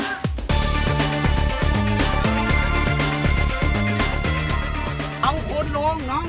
บอกให้คุยกับลุงไง